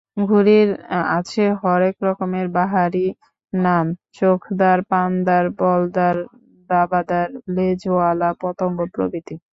ঘুড়ির আছে হরেক রকমের বাহারি নাম—চোখদার, পানদার, বলদার, দাবাদার, লেজওয়ালা, পতঙ্গ প্রভৃতি।